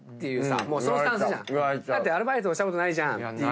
だってアルバイトしたことないじゃんっていう。